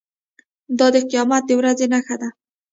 دا د قیامت د ورځې نښه ده.